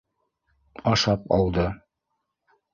Ашап алды.